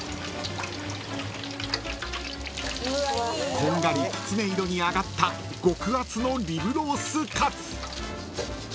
［こんがりきつね色に揚がった極厚のリブロースカツ］